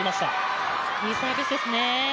いいサービスですね。